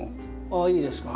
ああいいですか？